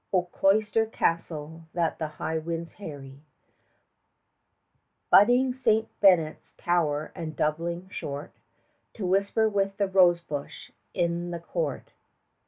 O Cloister Castle that the high winds harry, Butting Saint Benet's tower and doubling short To whisper with the rosebush in the Court!